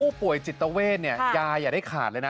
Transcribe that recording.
ผู้ป่วยจิตเวทเนี่ยยายอย่าได้ขาดเลยนะ